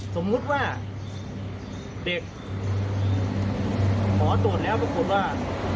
สมมุติว่าเด็กหมอตรวจแล้วปรากฏว่า